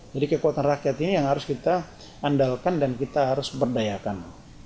jadi kekuatan rakyat ini yang harus kita andalkan dan kita harus berdayakan